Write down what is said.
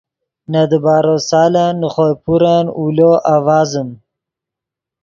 نے دیبارو سالن نے خوئے پورن اولو آڤازیم